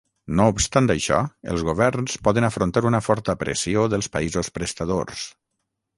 No obstant això, els governs poden afrontar una forta pressió dels països prestadors.